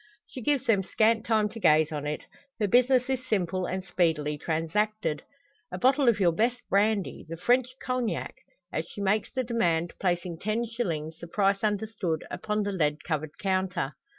She gives them scant time to gaze on it. Her business is simple, and speedily transacted. "A bottle of your best brandy the French cognac?" As she makes the demand, placing ten shillings, the price understood, upon the lead covered counter.